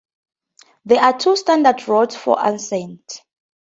There are two standard routes for ascent.